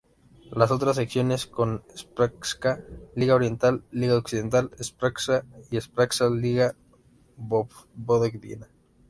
Las otras secciones son Srpska Liga Oriental, Liga Occidental Srpska, y Srpska Liga Vojvodina.